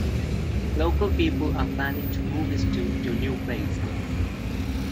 Local people are planning to move his tomb to new place.